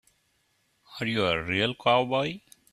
Are you a real cowboy?